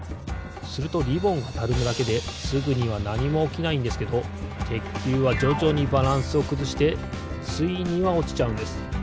するとリボンがたるむだけですぐにはなにもおきないんですけどてっきゅうはじょじょにバランスをくずしてついにはおちちゃうんです。